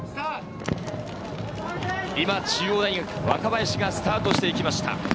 今、中央大学・若林がスタートしていきました。